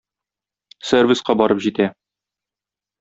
Сервиска барып җитә.